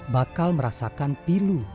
bakal merasakan pilu